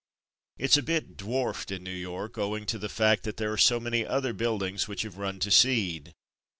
It's a bit dwarfed in New York owing to the fact that there are so many other buildings which have run to seed.